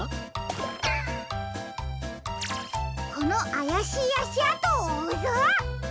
このあやしいあしあとをおうぞ！